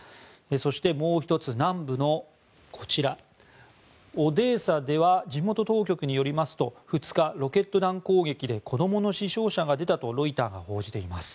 そしてもう１つ、南部のこちらオデーサでは地元当局によりますと２日、ロケット弾攻撃で子どもの死傷者が出たとロイターが報じています。